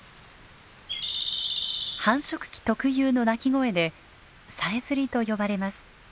繁殖期特有の鳴き声でさえずりと呼ばれます。